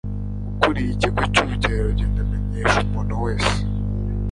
ukuriye ikigo cy'ubukerarugendo amenyesha umuntu wese